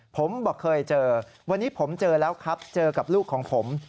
ผมบอกเคยเจอวันนี้ผมเจอแล้วครับเจอกับลูกของผม